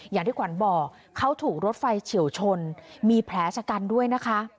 อย่างที่ขวัญบอกเขาถูกรถไฟเฉียวชนมีแผลชะกันด้วยนะคะ